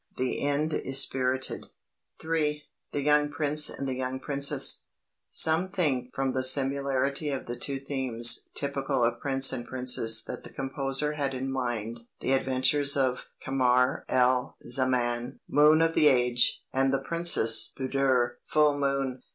The end is spirited. III. THE YOUNG PRINCE AND THE YOUNG PRINCESS "Some think from the similarity of the two themes typical of prince and princess that the composer had in mind the adventures of Kamar al Zaman (Moon of the age) and the Princess Budur (Full moon)."